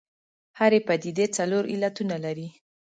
هرې پدیدې څلور علتونه لري.